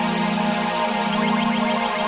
jangan ubah mdm tugas